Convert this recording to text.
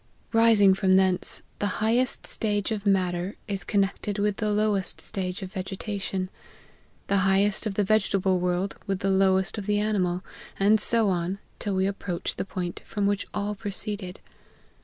Rising from thence, the highest stage of matter is connected with the lowest stage of vege tation; the highest of the vegetable world, with the lowest of the animal, and so on, till we ap proach the point from which all proceeded.